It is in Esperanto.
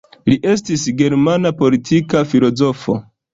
Li estis germana politika filozofo.